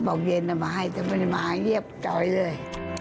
บอกเย็นจะมาให้จะไม่ได้มาเยียบจอยเลย